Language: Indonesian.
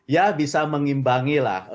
ya bisa mengimbangi lah